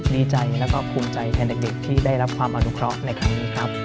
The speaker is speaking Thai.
ดีใจแล้วก็ภูมิใจแทนเด็กที่ได้รับความอนุเคราะห์ในครั้งนี้ครับ